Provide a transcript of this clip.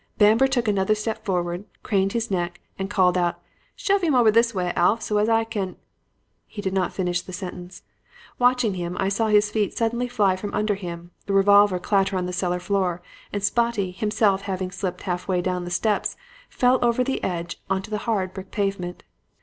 Bamber took another step forward, craned his neck and called out, 'Shove 'im over this way, Alf, so as I can ' "He did not finish the sentence. Watching him, I saw his feet suddenly fly from under him, the revolver clattered on the cellar floor, and Spotty, himself, having slipped half way down the steps, fell over the edge on to the hard brick pavement.